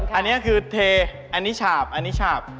อันนี้คือเทอันนี้ฉาบอันนี้ฉาบ